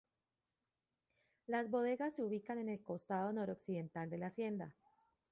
Las bodegas se ubican en el costado noroccidental de la hacienda.